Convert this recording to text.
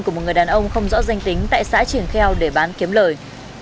của một người đàn ông không rõ danh tính tại xã triển kheo để bán kiếm lời